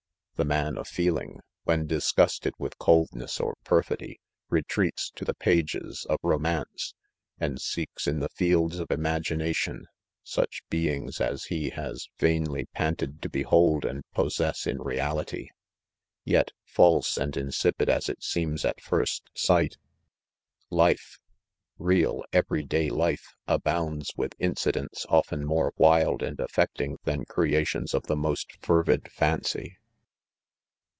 " The man of feeling, when' disgusted with ■.oldness 01 perlidy, retreats to the pages of omane(;, s;nd :; or^ :;.":;;■ tli« fl^ld i of Jmaginntion Hell beings as lie has YsinhrpaaLtid .y Uphold 10 1DQMEN , and possess in reality. Yet, false and insipid as it seems at first sight, — life — real, every day life, abounds with incidents often more wild and affecting than creations of the most fer vid fancy.